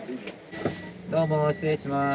どうも失礼します。